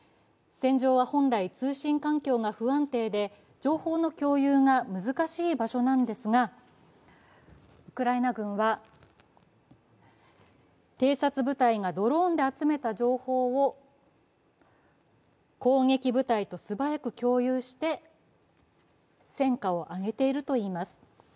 戦場は本来、通信環境が不安定で、情報の共有が難しい場所なのですが、ウクライナ軍は偵察部隊がドローンで集めた情報を攻撃部隊と素早く共有して戦果を挙げているといいます。